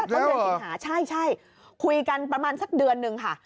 อ๋อเหรอแล้วเหรอใช่คุยกันประมาณสักเดือนนึงค่ะ